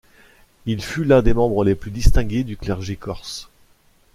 Il fut l'un des membres les plus distingués du clergé corse.